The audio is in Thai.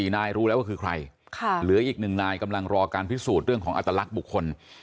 นายรู้แล้วว่าคือใครเหลืออีก๑นายกำลังรอการพิสูจน์เรื่องของอัตลักษณ์บุคคล